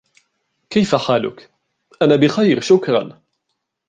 كيف حالك؟ "انا بخير، شكرا."